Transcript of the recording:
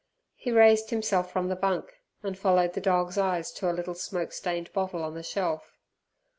He raised himself from the bunk, and followed the dog's eyes to a little smoke stained bottle on the shelf.